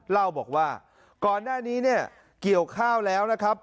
เล่าบอกว่าก่อนหน้านี้เนี่ยเกี่ยวข้าวแล้วนะครับ